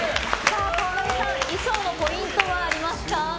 川波さん、衣装のポイントはありますか？